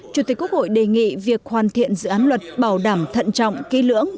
chủ tịch quốc hội đề nghị việc hoàn thiện dự án luật bảo đảm thận trọng ký lưỡng